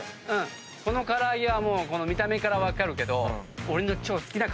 この唐揚げはもう見た目から分かるけど俺の。